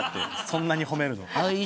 そんなに褒めるの。